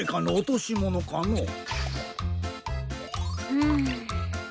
うん。